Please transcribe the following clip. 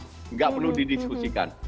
tidak perlu didiskusikan